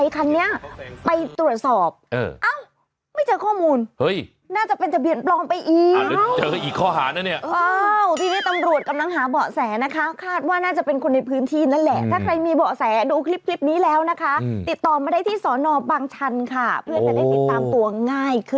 เขารมมอเตอร์ไซค์มาเขาก็หีบรถกระโดดแห่ง